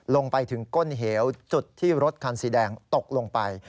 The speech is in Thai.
ลงไปถึงก้นเหวจุดที่รถคันสีแดงตกลงไป